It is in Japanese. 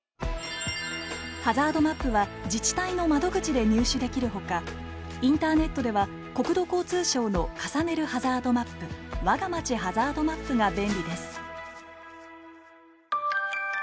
ハザードマップは自治体の窓口で入手できるほかインターネットでは国土交通省の重ねるハザードマップわがまちハザードマップが便利です。